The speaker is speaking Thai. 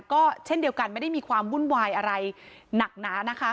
ก็เช่นเดียวกันไม่ได้มีความวุ่นวายอะไรหนักหนานะคะ